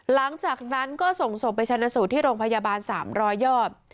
หลังจากนั้นก็ส่งศพไปชนะสูตรที่โรงพยาบาล๓๐๐ยอด